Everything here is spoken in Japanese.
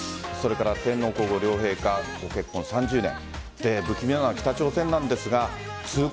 天皇皇后両陛下、ご結婚３０年。